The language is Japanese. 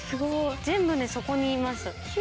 全部ねそこにいます。